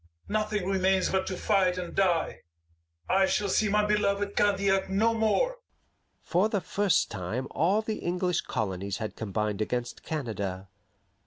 Nothing remains but to fight and die. I shall see my beloved Candiac no more." For the first time all the English colonies had combined against Canada.